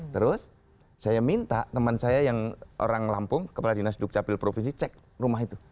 terus saya minta teman saya yang orang lampung kepala dinas dukcapil provinsi cek rumah itu